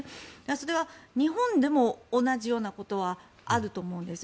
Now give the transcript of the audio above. それは日本でも同じようなことはあると思うんです。